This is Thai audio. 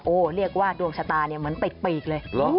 โอ้เรียกว่าดวงชะตาเหมือนปีกเลย